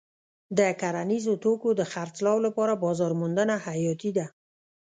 د کرنیزو توکو د خرڅلاو لپاره بازار موندنه حیاتي ده.